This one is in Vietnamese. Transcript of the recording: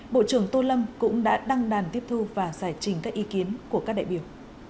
bộ trưởng tô lâm cũng đã đăng đàn tiếp thu và giải trình các ý kiến của các đại biểu